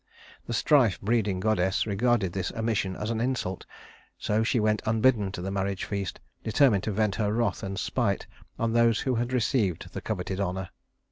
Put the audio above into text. The strife breeding goddess regarded this omission as an insult, so she went unbidden to the marriage feast, determined to vent her wrath and spite on those who had received the coveted honor.